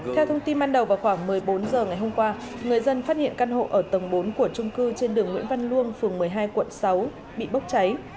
theo thông tin ban đầu vào khoảng một mươi bốn h ngày hôm qua người dân phát hiện căn hộ ở tầng bốn của trung cư trên đường nguyễn văn luông phường một mươi hai quận sáu bị bốc cháy